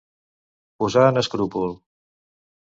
Posar en escrúpol.